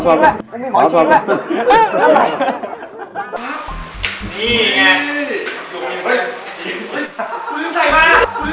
สองหรือสามนะครับ